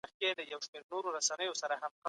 حیواني غوړي د زړه لپاره زیان لري.